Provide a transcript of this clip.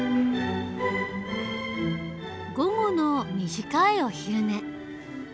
午後の短いお昼寝。